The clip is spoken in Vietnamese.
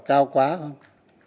đau quá không